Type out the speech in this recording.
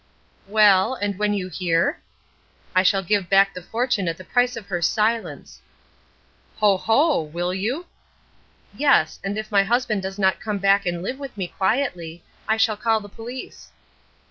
"Well and when you hear?" "I shall give back the fortune at the price of her silence!" "Ho! ho! Will you?" "Yes; and if my husband does not come back and live with me quietly, I shall call the police."